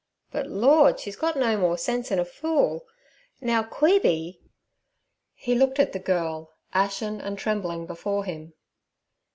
But, Lord, she's got no more sense 'en a fool! Now, Queeby—' He looked at the girl, ashen and trembling before him.